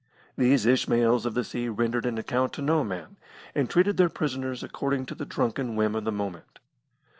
These Ishmaels of the sea rendered an account to no man, and treated their prisoners according to the drunken whim of the moment.